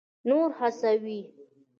نور هڅوي.